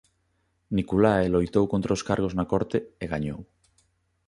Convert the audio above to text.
Niculae loitou contra os cargos na corte e gañou.